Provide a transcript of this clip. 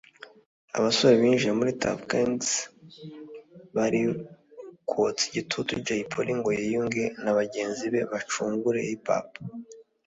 Abasore binjiye muri Tuff Gangz bari kotsa igitutu Jay Polly ngo yiyunge na bagenzi be bacungure HipHop